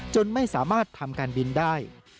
จนไม่สามารถทำการบินได้